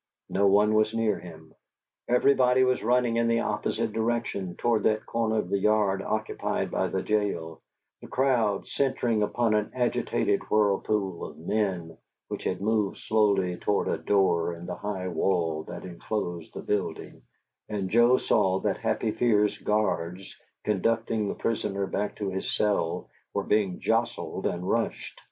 No one was near him; everybody was running in the opposite direction, toward that corner of the yard occupied by the jail, the crowd centring upon an agitated whirlpool of men which moved slowly toward a door in the high wall that enclosed the building; and Joe saw that Happy Fear's guards, conducting the prisoner back to his cell, were being jostled and rushed.